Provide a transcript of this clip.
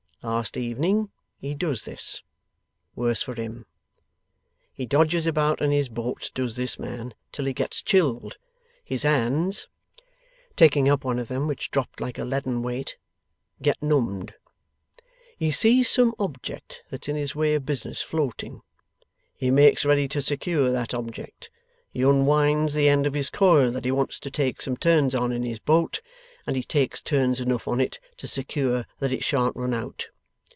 Last evening he does this. Worse for him! He dodges about in his boat, does this man, till he gets chilled. His hands,' taking up one of them, which dropped like a leaden weight, 'get numbed. He sees some object that's in his way of business, floating. He makes ready to secure that object. He unwinds the end of his coil that he wants to take some turns on in his boat, and he takes turns enough on it to secure that it shan't run out.